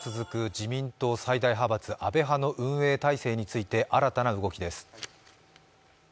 自民党最大派閥、安倍派の運営体制について新たな動きです。